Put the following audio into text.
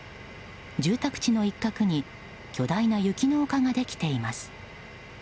住宅地の一角に巨大な雪の丘ができています。